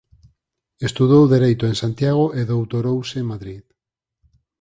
Estudou dereito en Santiago e doutorouse en Madrid.